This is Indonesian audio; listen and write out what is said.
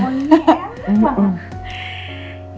mau lihat apa